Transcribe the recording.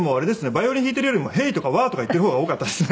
ヴァイオリン弾いてるよりも「ヘイ」とか「ワー」とか言ってる方が多かったですね。